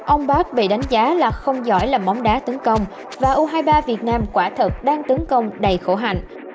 ông park bị đánh giá là không giỏi làm móng đá tấn công và u hai mươi ba việt nam quả thật đang tấn công đầy khổ hạnh